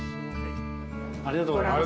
ありがとうございます。